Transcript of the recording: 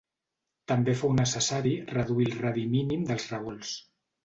També fou necessari reduir el radi mínim dels revolts.